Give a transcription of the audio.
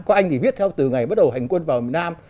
có anh thì viết theo từ ngày bắt đầu hành quân vào nam